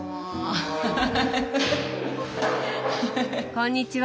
こんにちは。